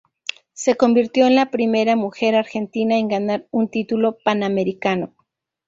Se convirtió en la primera mujer argentina en ganar un título panamericano.